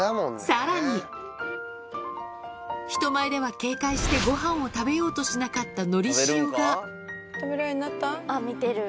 さらに人前では警戒してごはんを食べようとしなかったのりしおがあっ見てる。